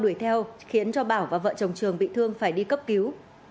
đuổi theo khiến cho bảo và vợ chồng trường bị thương phải đi cấp cứu